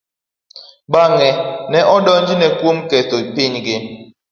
Bang'e, ne odonjne kuom ketho pinygi.